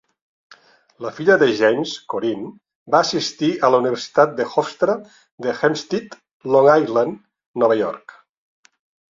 La filla de James, Corin, va assistir a la Universitat Hofstra de Hempstead, Long Island, Nova York.